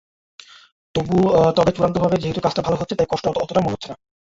তবে চূড়ান্তভাবে যেহেতু কাজটা ভালো হচ্ছে তাই কষ্ট অতটা মনে হচ্ছে না।